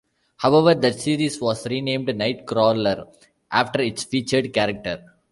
However, that series was renamed "Nightcrawler" after its featured character.